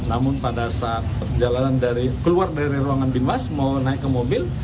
namun pada saat perjalanan keluar dari ruangan dimas mau naik ke mobil